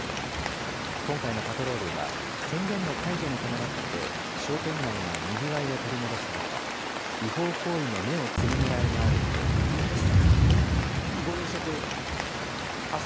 今回のパトロールは、宣言の解除に伴って商店街がにぎわいを取り戻す中、違法行為の芽を摘むねらいがあるということです。